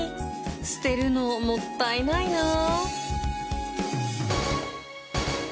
捨てるのもったいないなぁ